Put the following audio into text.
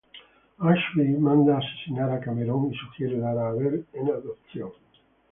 Ashby manda asesinar a Cameron y sugiere dar a Abel en adopción.